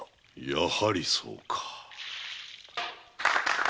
やはりそうか。